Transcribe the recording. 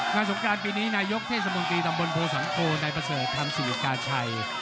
งานสงการปีนี้นายกเทศบนกรีตำบลโภสังโภในประเศรษฐ์ทางศิริกาชัย